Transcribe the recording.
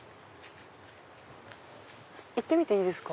行っていいですか？